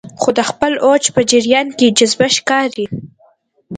خو د خپل اوج په جریان کې جذابه ښکاري